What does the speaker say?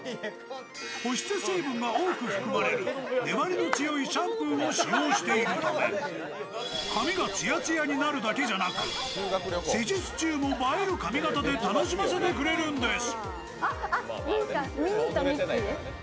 保湿成分が多く含まれる粘りの強いシャンプーを使用しているため髪がツヤツヤになるだけじゃなく、施術中も映える髪形で楽しませてくれるんです。